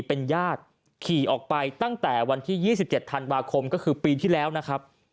เป็นญาติขี่ออกไปตั้งแต่วันที่๒๗ธันวาคมก็คือปีที่แล้วนะครับ